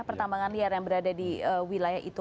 pertambangan liar yang berada di wilayah itu